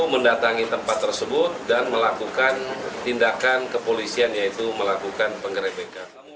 mendatangi tempat tersebut dan melakukan tindakan kepolisian yaitu melakukan pengerebekan